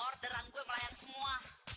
orderan gue melayan semua